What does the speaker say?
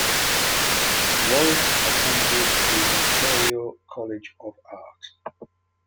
Wallace attended the Ontario College of Art.